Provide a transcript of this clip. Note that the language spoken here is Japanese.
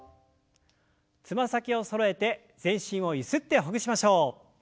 つま先をそろえて全身をゆすってほぐしましょう。